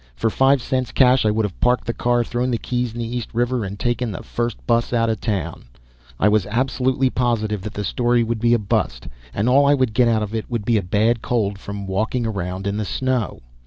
For five cents cash I would have parked the car, thrown the keys in the East River, and taken the first bus out of town. I was absolutely positive that the story would be a bust and all I would get out of it would be a bad cold from walking around in the snow.